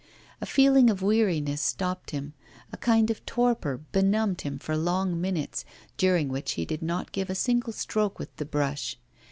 A feeling of weariness stopped him, a kind of torpor benumbed him for long minutes, during which he did not give a single stroke with the brush.